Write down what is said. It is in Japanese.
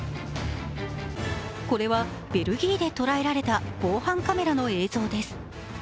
これはベルギーで捉えられた防犯カメラの映像です。